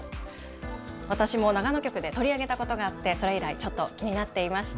私も長野局で取り上げたことがあって、それ以来、ちょっと気になっていました。